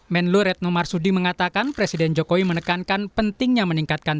men luret nomarsudi mengatakan presiden jokowi menekankan pentingnya meningkatkan